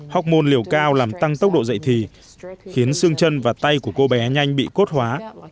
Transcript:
học môn liều cao làm tăng tốc độ dạy thì khiến xương chân và tay của cô bé nhanh bị cốt hóa